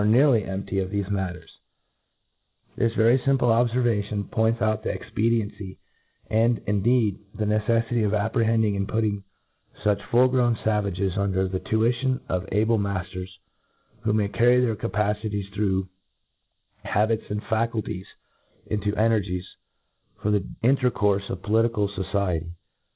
15 nearly empty, of thcfe matters* This very fim ple obfervation points out the expediency, and« indeed, the neceffity of apprehending and put ting fuch full grown favagcs under the tuition of ih\t matters^ who may carry their capa cities through habits and faculties into energies, for the intercQurfe of political fociety.